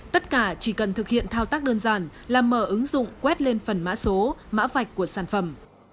tất cả chỉ cần thực hiện thao tác đơn giản là mở ứng dụng quét lên phần mã số mã vạch của sản phẩm